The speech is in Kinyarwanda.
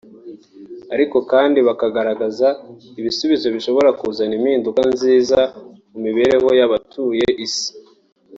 ariko kandi bakagaragaza n’ibisubizo bishobora kuzana impinduka nziza mu mibereho y’abatuye isi